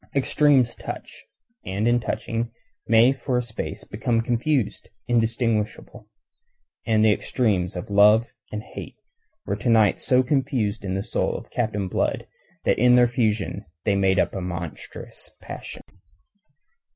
Extremes touch, and in touching may for a space become confused, indistinguishable. And the extremes of love and hate were to night so confused in the soul of Captain Blood that in their fusion they made up a monstrous passion.